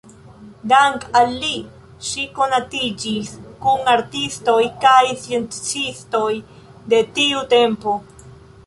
Dank‘ al li ŝi konatiĝis kun artistoj kaj sciencistoj de tiu tempo.